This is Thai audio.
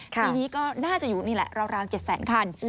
ปีนี้ก็น่าจะอยู่นี่แหละราว๗แสนคัน